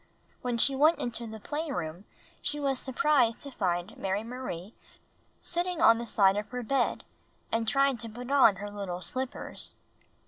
When she went into the playroom she was sur prised to find Mary Marie sitting on the side of her bed, trying to put on her little slippers.